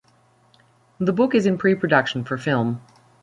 The book is in pre-production for film.